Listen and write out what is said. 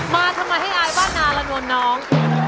มาทำไมให้อายบ้านนาละนวลน้อง